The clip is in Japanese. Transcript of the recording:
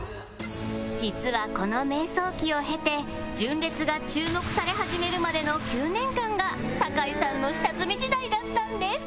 実はこの迷走期を経て純烈が注目され始めるまでの９年間が酒井さんの下積み時代だったんです